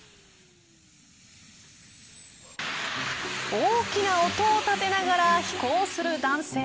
大きな音を立てながら飛行する男性。